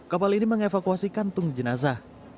kapal ini mengevakuasi kantung jenazah